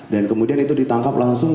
dan kemudian itu ditangkap langsung